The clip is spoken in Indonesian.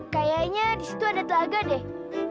kayanya disitu ada telaga deh